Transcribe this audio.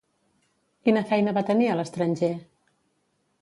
Quina feina va tenir a l'estranger?